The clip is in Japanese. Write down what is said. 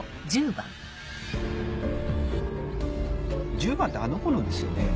１０番ってあの子のですよね？